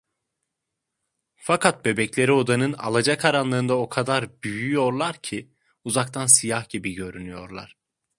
Fakat bebekleri odanın alacakaranlığında o kadar büyüyorlar ki, uzaktan siyah gibi görünüyorlar.